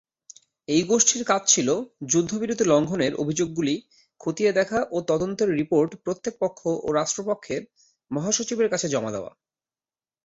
এই গোষ্ঠীর কাজ ছিল, যুদ্ধবিরতি লঙ্ঘনের অভিযোগগুলি খতিয়ে দেখা ও তদন্তের রিপোর্ট প্রত্যেক পক্ষ ও রাষ্ট্রসংঘের মহাসচিবের কাছে জমা দেওয়া।